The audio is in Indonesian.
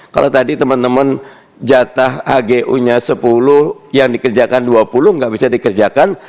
kalau tadi teman teman jatah agu nya sepuluh yang dikerjakan dua puluh nggak bisa dikerjakan